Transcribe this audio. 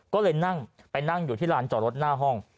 ก็เลยนั่งไปนั่งอยู่ที่ลานจอดรถหน้าห้อง